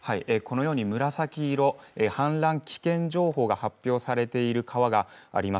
このように紫色、氾濫危険情報が発表されている川があります。